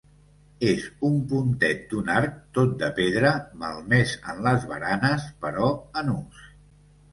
És un pontet d'un arc tot de pedra, malmès en les baranes però en ús.